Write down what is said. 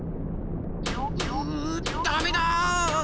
うダメだ！